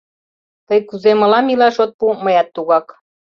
— Тый кузе мылам илаш от пу, мыят тугак.